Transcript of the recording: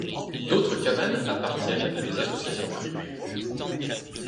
D'autres cabanes appartiennent à des associations privées.